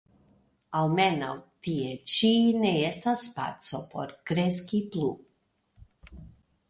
Almenaŭ tie ĉi ne estas spaco por kreski plu.